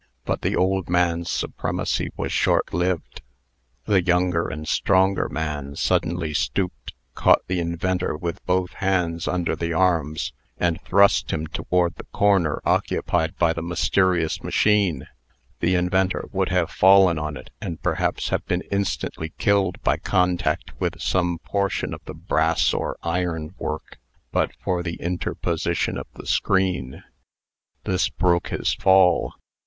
But the old man's supremacy was short lived. The younger and stronger man suddenly stooped, caught the inventor with both hands under the arms, and thrust him toward the corner occupied by the mysterious machine. The inventor would have fallen on it, and perhaps have been instantly killed by contact with some portion of the brass or iron work, but for the interposition of the screen. This broke his fall.